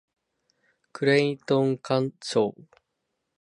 クレイトン・カーショー